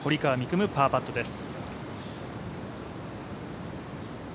夢、パーパットです。